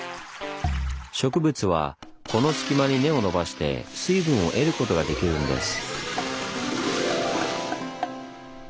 植物はこの隙間に根を伸ばして水分を得ることができるんです。